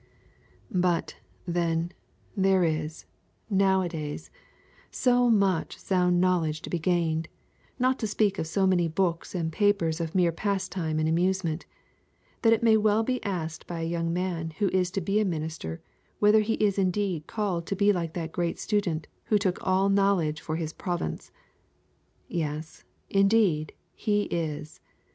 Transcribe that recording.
But, then, there is, nowadays, so much sound knowledge to be gained, not to speak of so many books and papers of mere pastime and amusement, that it may well be asked by a young man who is to be a minister whether he is indeed called to be like that great student who took all knowledge for his province. Yes, indeed, he is.